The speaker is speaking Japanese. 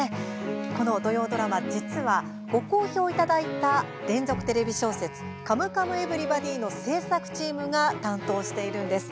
この土曜ドラマ、実はご好評いただいた連続テレビ小説「カムカムエヴリバディ」の制作チームが担当しているんです。